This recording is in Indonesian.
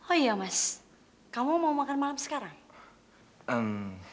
oh iya mas kamu mau makan malam sekarang